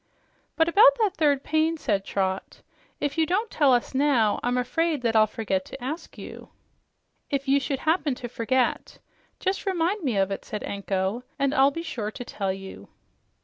"But about that third pain," said Trot. "If you don't tell us now, I'm afraid that I'll forget to ask you." "If you should happen to forget, just remind me of it," said Anko, "and I'll be sure to tell you."